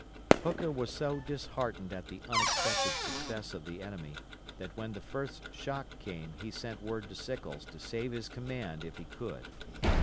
Hooker was so disheartened at the unexpected success of the enemy, that when the first shock came he sent word to Sickles to save his command if he could.